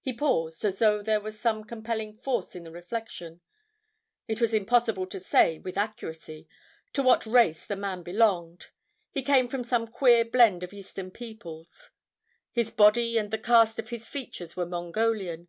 He paused as though there was some compelling force in the reflection. It was impossible to say, with accuracy, to what race the man belonged. He came from some queer blend of Eastern peoples. His body and the cast of his features were Mongolian.